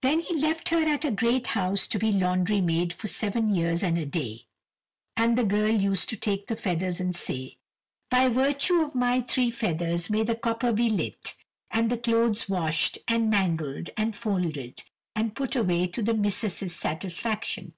Then he left her at a great house to be laundry maid for seven years and a day. And the girl used to take the feathers and say: "By virtue of my three feathers may the copper be lit, and the clothes washed, and mangled, and folded, and put away to the missus's satisfaction."